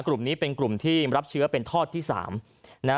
กลุ่มนี้เป็นกลุ่มที่รับเชื้อเป็นทอดที่๓นะฮะ